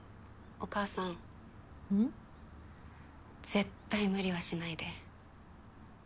絶対無理はしないで。